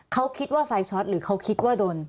เขาคิดว่าไฟช็อตหรือเขาคิดว่าโดน